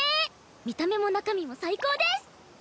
見た目も中身も最高です。